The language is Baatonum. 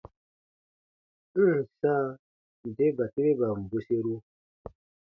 N ǹ sãa nde batureban bweseru.